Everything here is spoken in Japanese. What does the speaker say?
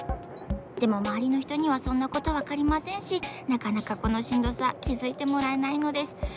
でもまわりのひとにはそんなことわかりませんしなかなかこのしんどさきづいてもらえないのです。